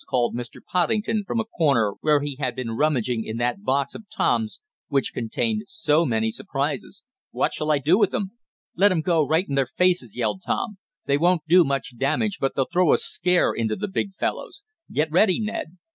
called Mr. Poddington from a corner where he had been rummaging in that box of Tom's which contained so many surprises. "What shall I do with 'em?" "Let 'em go right in their faces!" yelled Tom. "They won't do much damage, but they'll throw a scare into the big fellows! Get ready, Ned!"